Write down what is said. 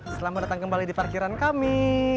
selamat datang kembali di parkiran kami